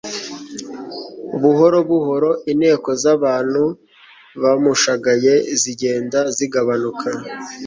Buhoro buhoro inteko z'abantu bamushagaye zigenda zigabanuka.